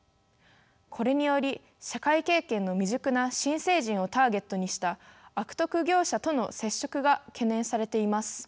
これにより社会経験の未熟な新成人をターゲットにした悪徳業者との接触が懸念されています。